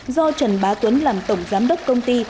do trần bá tuấn làm tổng giám đốc công ty